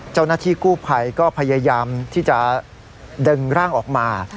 เจ้าหน้าที่กู้ภัยก็พยายามที่จะดึงร่างออกมา